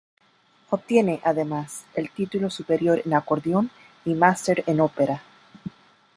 Obtiene, además, el Título Superior en Acordeón y Máster en Ópera.